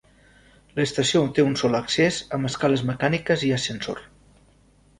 L'estació té un sol accés amb escales mecàniques i ascensors.